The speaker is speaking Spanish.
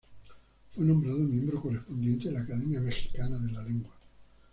Fue nombrado miembro correspondiente de la Academia Mexicana de la Lengua.